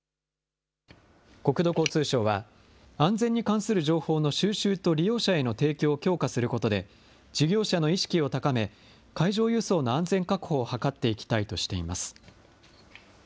国土交通省は、安全に関する情報の収集と利用者への提供を強化することで、事業者の意識を高め、海上輸送の安全確保を図っていきたいとしています。